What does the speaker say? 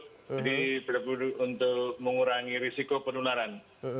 jadi perilaku penduduk untuk mengurangi risiko penularan